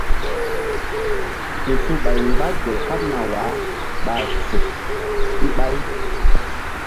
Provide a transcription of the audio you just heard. Su-su ɓay mgba gel kaɓna wah ɓa suk ɓay.